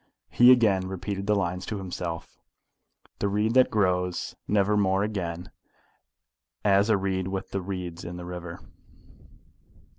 He again repeated the lines to himself The reed that grows never more again As a reed with the reeds in the river.